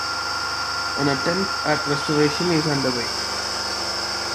An attempt at restoration is underway.